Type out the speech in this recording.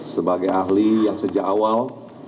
sebagai ahli yang sejak awal